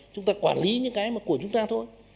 chúng ta quản lý những cái mà của chúng ta thôi